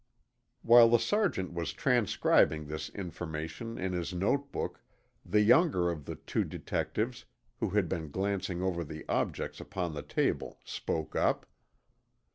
While the Sergeant was transcribing this information in his notebook the younger of the two detectives, who had been glancing over the objects upon the table, spoke up.